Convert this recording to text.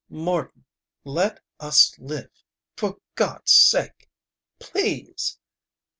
"Morton let us live for God's sake! Please!"